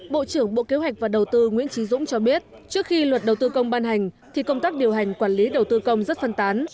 bộ trưởng bộ kế hoạch và đầu tư nguyễn trí dũng cho biết trước khi luật đầu tư công ban hành thì công tác điều hành quản lý đầu tư công rất phân tán